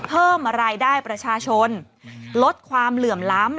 เพิ่มรายได้ประชาชนลดความเหลื่อมล้ำ